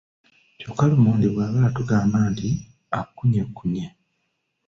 Kyokka lumonde bwabala tugamba nti akunyekkunye.